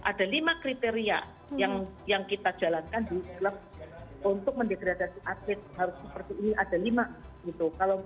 ada lima kriteria yang kita jalankan di klub untuk mendegradasi atlet harus seperti ini ada lima gitu